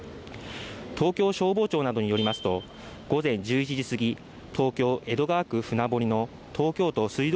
東京消防庁などによりますと午前１１時すぎ東京・江戸川区船堀の東京都水道